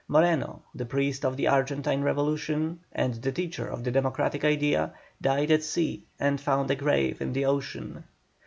Moreno, the priest of the Argentine revolution, and the teacher of the democratic idea, died at sea and found a grave in the ocean.